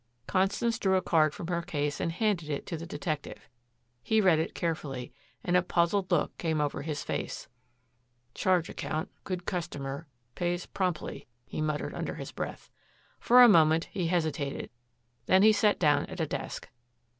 Constance drew a card from her case and handed it to the detective. He read it carefully, and a puzzled look came over his face. "Charge account good customer pays promptly," he muttered under his breath. For a moment he hesitated. Then he sat down at a desk.